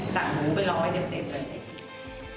สั่งหมูไปร้องให้เต็มเลย